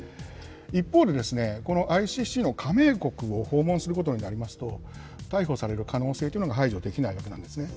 一方で、このＩＣＣの加盟国を訪問することになりますと、逮捕される可能性というのが排除できないわけなんですね。